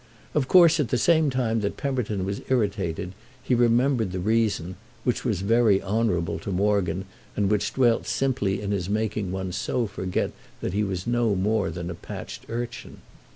Of course at the same time that Pemberton was irritated he remembered the reason, which was very honourable to Morgan and which dwelt simply in his making one so forget that he was no more than a patched urchin.